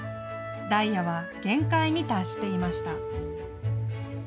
ダイヤは限界に達していました。